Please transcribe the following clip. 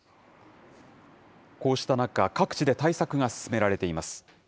こうした中、各地で対策が進められています。